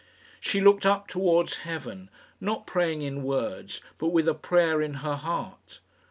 She looked up towards heaven, not praying in words, but with a prayer in her heart.